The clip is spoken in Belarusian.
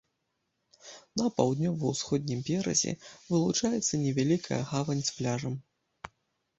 На паўднёва-ўсходнім беразе вылучаецца невялікая гавань з пляжам.